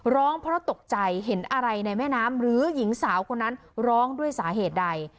ร้องเพราะตกใจเห็นอะไรในแม่น้ำหรือหญิงสาวคนนั้นร้องด้วยสาเหตุใด